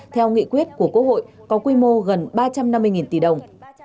theo nghị quyết của quốc hội có quy mô gần ba trăm năm mươi tỷ đồng